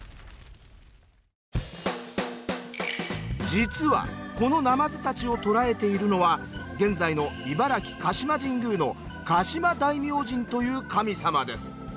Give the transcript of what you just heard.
実はこのなまずたちを捕らえているのは現在の茨城鹿島神宮の鹿島大明神という神様です。